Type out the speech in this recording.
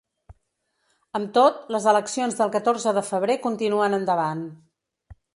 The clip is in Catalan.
Amb tot, les eleccions del catorze de febrer continuen endavant.